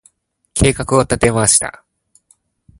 計画を立てました。